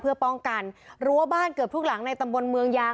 เพื่อป้องกันรั้วบ้านเกือบทุกหลังในตำบลเมืองยาง